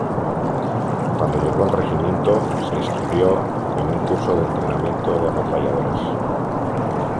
Cuando llegó al regimiento, se inscribió en un curso de entrenamiento de ametralladoras.